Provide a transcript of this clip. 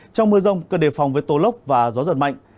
trong mưa rông cơ đề phòng với tố lốc và gió giật mạnh